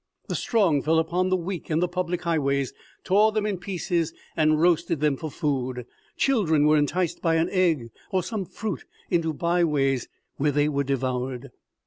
The strong fell upon the weak in the public highways, tore them in pieces, and roasted them for food. Children were enticed by an egg or some fruit into by ways, where they were devoured.